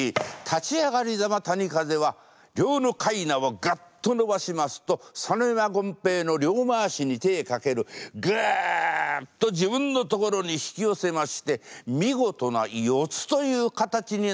立ち上がりざま谷風は両のかいなをグッとのばしますと佐野山権兵衛の両まわしに手ぇかけるグッと自分のところに引き寄せまして見事な四つという形になったのでございました。